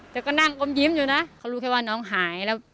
ก็นั่งอมยิ้มอยู่นะเขารู้แค่ว่าน้องหายแล้ว